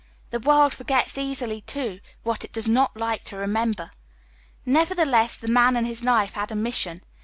The world forgets easily, too easily, what it does not like to remember. Nevertheless the man and his knife had a mission.